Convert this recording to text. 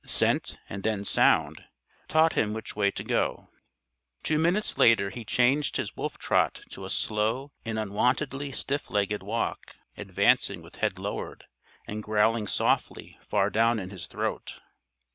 Scent, and then sound, taught him which way to go. Two minutes later he changed his wolf trot to a slow and unwontedly stiff legged walk, advancing with head lowered, and growling softly far down in his throat.